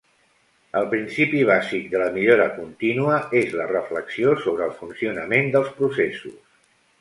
El principi bàsic de la millora contínua és la reflexió sobre el funcionament dels processos.